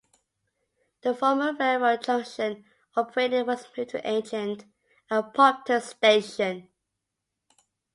The former railroad junction operator was moved to agent at Pompton station.